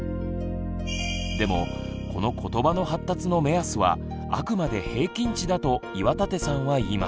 でもこのことばの発達の目安はあくまで平均値だと岩立さんは言います。